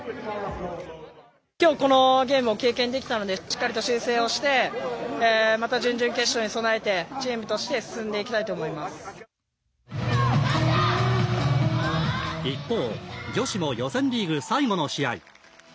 きょうこのゲームを経験できたのでしっかりと修正をしてまた準々決勝に備えてチームとして進んでいきたいと一方、女子も予選リーグ最後の試合。